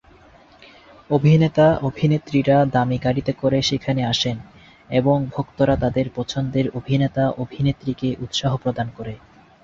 অভিনেতা-অভিনেত্রীরা দামী গাড়িতে করে সেখানে আসেন এবং ভক্তরা তাদের পছন্দের অভিনেতা-অভিনেত্রীকে উৎসাহ প্রদান করে।